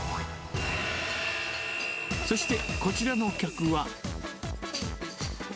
そして、こちらの客は。